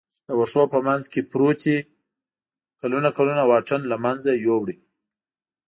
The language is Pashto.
د وښو په منځ کې پروتې کلونه کلونه واټن له منځه یووړ.